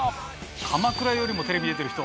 鎌倉よりもテレビ出てる人。